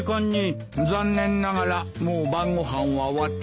残念ながらもう晩ご飯は終わったぞ。